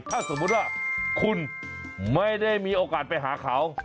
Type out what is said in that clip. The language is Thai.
ถ้าสมมุติว่าคุณไม่ได้มีโอกาสไปหาเขา